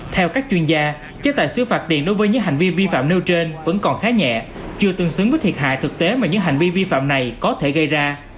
theo các chuyên gia chế tài xứ phạt tiền đối với những hành vi vi phạm nêu trên vẫn còn khá nhẹ chưa tương xứng với thiệt hại thực tế mà những hành vi vi phạm này có thể gây ra